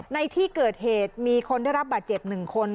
ในที่เกิดเหตุมีคนได้รับบาดเจ็บ๑คน